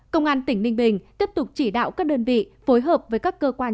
công an tỉnh ninh bình tiếp tục chỉ đạo các đơn vị phối hợp với các cơ quan